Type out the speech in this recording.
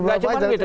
gak cuma gitu